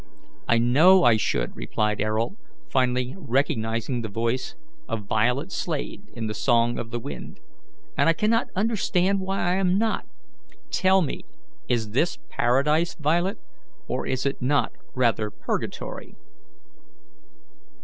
"I know I should," replied Ayrault, finally recognizing the voice of Violet Slade in the song of the wind, "and I cannot understand why I am not. Tell me, is this paradise, Violet, or is it not rather purgatory?"